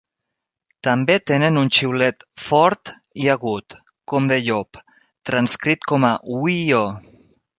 També tenen un xiulet fort i agut, com de llop, transcrit com a "uiio".